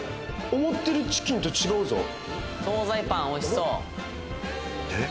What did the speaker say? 思ってるチキンと違うぞ総菜パンおいしそうえっ？